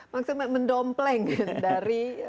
maksudnya mendompleng dari